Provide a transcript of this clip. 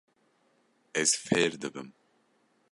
Ez fêr dibim.